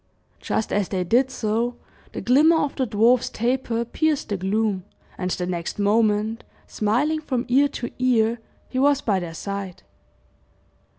Just as they did so, the glimmer of the dwarf's taper pierced the gloom, and the next moment, smiling from ear to ear, he was by their side.